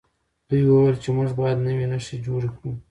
دوی وویل چې موږ باید نوي نښې جوړې کړو.